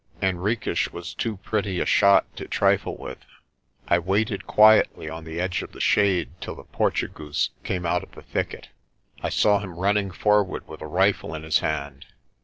Henriques was too pretty a shot to trifle with. I waited quietly on the edge of the shade till the Portugoose came out of the thicket. I saw him running for ward with a rifle in his hand.